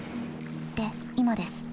で今です。